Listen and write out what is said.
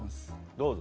どうぞ。